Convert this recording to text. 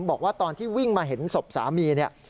บอกว่าตอนที่วิ่งมาเห็นศพสามีเนี่ย